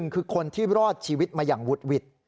คือคนที่รอดชีวิตมาอย่างวุดหวิด